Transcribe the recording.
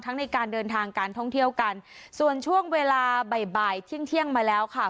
ในการเดินทางการท่องเที่ยวกันส่วนช่วงเวลาบ่ายบ่ายเที่ยงเที่ยงมาแล้วค่ะ